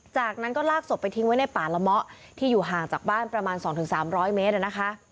จากนั้นก็ลากศพไปทิ้งไว้ในป่าละเมาะที่อยู่ห่างจากบ้านประมาณ๒๓๐๐เมตรนะคะ